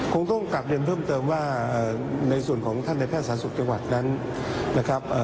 คงต้องกลับเรียนเพิ่มเติมว่าในส่วนของท่านในแพทย์สาธารณสุขจังหวัดนั้นนะครับ